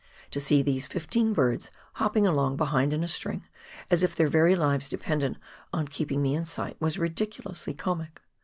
To see these fifteen birds hopping along behind in a string, as if their very lives depended on keeping me in sight, w^as ridiculously comic.